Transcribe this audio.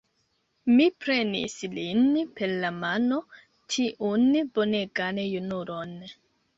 Mi prenis lin per la mano, tiun bonegan junulon.